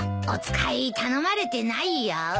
お使い頼まれてないよ。